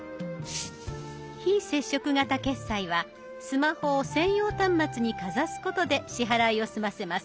非接触型決済はスマホを専用端末にかざすことで支払いを済ませます。